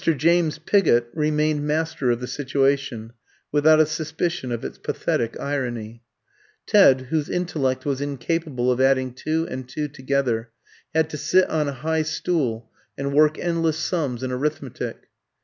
James Pigott remained master of the situation, without a suspicion of its pathetic irony. Ted, whose intellect was incapable of adding two and two together, had to sit on a high stool and work endless sums in arithmetic.